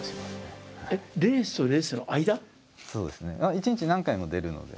一日何回も出るので。